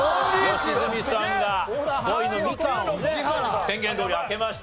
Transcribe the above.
良純さんが５位のミカンをね宣言どおり開けました。